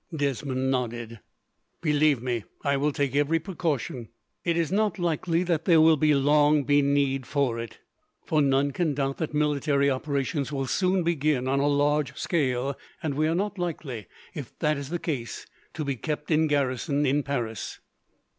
Desmond nodded. "Believe me, I will take every precaution. It is not likely that there will long be need for it, for none can doubt that military operations will soon begin on a large scale, and we are not likely, if that is the case, to be kept in garrison in Paris."